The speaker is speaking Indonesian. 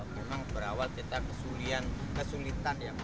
memang berawal kita kesulitan ya